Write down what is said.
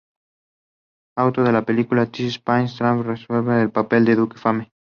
Actuó en la película "This is Spinal Tap", representando el papel de "Duke Fame".